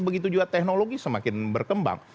begitu juga teknologi semakin berkembang